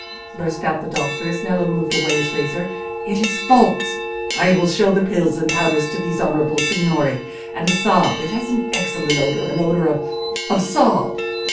burst out the doctor, as Nello moved away his razor; "it is false! I will show the pills and the powders to these honourable signori—and the salve—it has an excellent odour—an odour of—of salve."